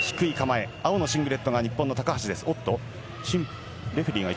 青のシングレットが日本の高橋です。